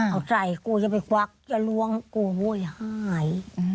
เอาใส่กลัวจะไปควักจะล้วงกลัวหวยหาย